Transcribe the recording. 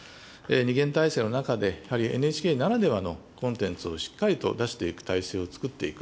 二元体制の中で、やはりＮＨＫならではのコンテンツをしっかりと出していく体制をつくっていく。